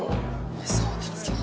いやそうなんすけど。